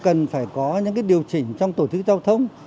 cần phải có những điều chỉnh trong tổ chức giao thông